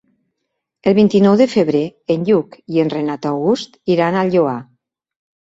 El vint-i-nou de febrer en Lluc i en Renat August iran al Lloar.